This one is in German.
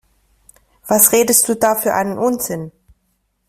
Was redest du da für einen Unsinn?